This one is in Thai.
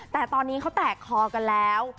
แต่ตอนนี้เขาแตกคอกันแล้ว